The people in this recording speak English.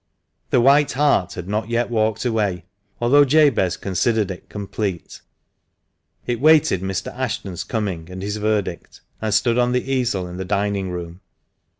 The "White Hart" had not yet walked away, although Jabez considered it complete. It waited Mr. Ashton's coming and his verdict, and stood on the easel in the dining room.